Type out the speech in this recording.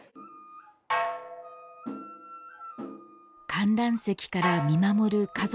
観覧席から見守る家族。